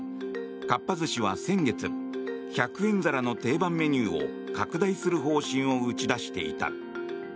かっぱ寿司は先月１００円皿の定番メニューを拡大する方針を打ち出していた。